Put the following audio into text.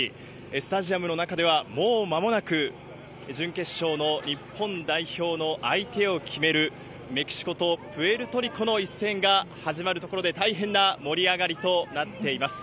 スタジアムの中では、もうまもなく準決勝の日本の相手を決める、メキシコとプエルトリコの一戦が始まる所で、大変な盛り上がりとなっています。